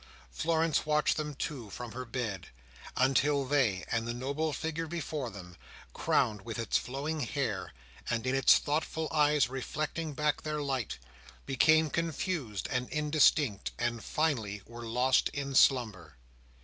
Florence watched them too from her bed, until they, and the noble figure before them, crowned with its flowing hair, and in its thoughtful eyes reflecting back their light, became confused and indistinct, and finally were lost in slumber.